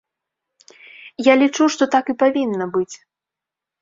Я лічу, што так і павінна быць.